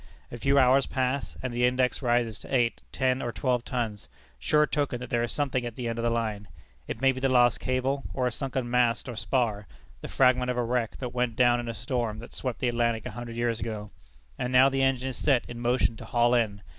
A few hours pass, and the index rises to eight, ten, or twelve tons, sure token that there is something at the end of the line it may be the lost cable, or a sunken mast or spar, the fragment of a wreck that went down in a storm that swept the Atlantic a hundred years ago. And now the engine is set in motion to haul in.